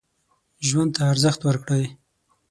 ژوند ته ارزښت ورکړئ.